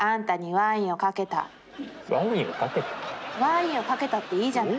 「ワインをかけたっていいじゃない」。